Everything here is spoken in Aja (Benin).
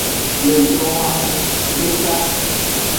Le dowoxu deka.